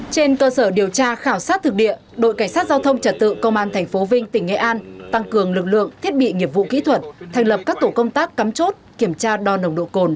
trên cơ sở điều tra khảo sát thực địa đội cảnh sát giao thông trật tự công an tp vinh tỉnh nghệ an tăng cường lực lượng thiết bị nghiệp vụ kỹ thuật thành lập các tổ công tác cắm chốt kiểm tra đo nồng độ cồn